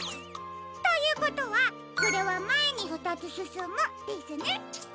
ということはこれはまえにふたつすすむですね。